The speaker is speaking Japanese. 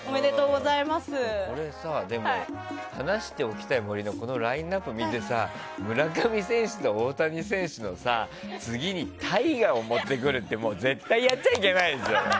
これさ、話しておきたい森のラインアップを見て村上選手と大谷選手の次にＴＡＩＧＡを持ってくるって絶対やっちゃいけないですよ。